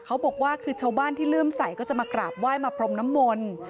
เขาบอกว่าคือชาวบ้านที่เริ่มใส่ก็จะมากราบไหว้มาพรมน้ำมนต์